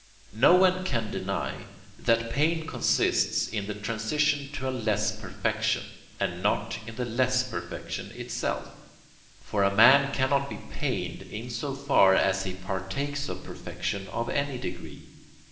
No one can deny, that pain consists in the transition to a less perfection, and not in the less perfection itself: for a man cannot be pained, in so far as he partakes of perfection of any degree.